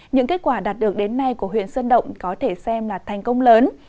những kết quả đạt được đến nay của huyện sơn động có thể xem là thành công lớn